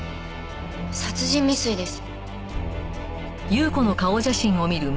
殺人未遂です。